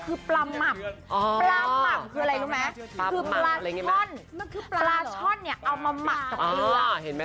เอาออกมาแล้วก็เอามาทำหล่นได้